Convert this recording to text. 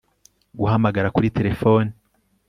guhamagara kuri telefoni